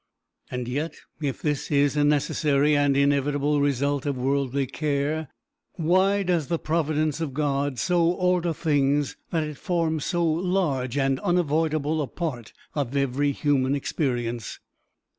And yet, if this is a necessary and inevitable result of worldly care, why does the providence of God so order things that it forms so large and unavoidable a part of every human experience?